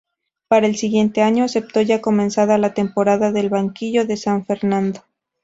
Para el año siguiente, aceptó ya comenzada la temporada el banquillo del San Fernando.